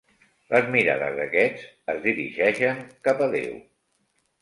Les mirades d'aquests es dirigeixen cap a Déu.